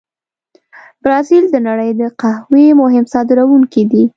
برازیل د نړۍ د قهوې مهم صادرونکي دي.